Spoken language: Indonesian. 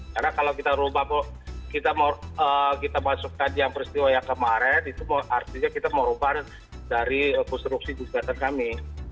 karena kalau kita masukkan yang peristiwa yang kemarin itu artinya kita mau ubah dari konstruksi gugatan kami